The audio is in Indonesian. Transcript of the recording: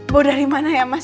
mau dari mana ya mas